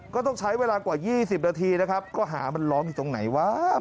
ก็ต้องใช้เวลากว่า๒๐นาทีนะครับก็หามันล้อมอยู่ตรงไหนวะ